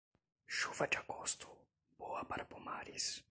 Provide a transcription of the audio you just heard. Chuva de agosto, boa para pomares.